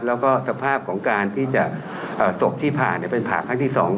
แล้วก็สภาพของการที่จะศพที่ผ่าเป็นผ่าครั้งที่๒